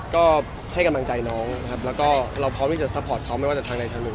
ก็ให้กำลังใจน้องนะครับแล้วก็เราพร้อมที่จะซัพพอร์ตเขาไม่ว่าจะทางใดทางหนึ่ง